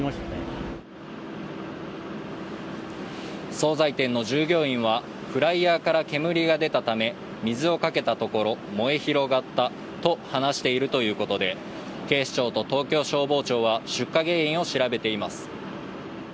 総菜店の従業員は、フライヤーから煙が出たため水をかけたところ燃え広がったと話しているということで警視庁と東京消防庁は出火原因を調べています。